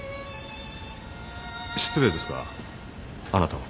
失礼ですがあなたは？